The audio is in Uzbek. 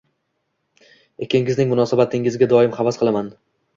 Ikkingizning munosabatingizga doim havas qilganman